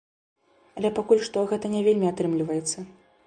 Але пакуль што гэта не вельмі атрымліваецца.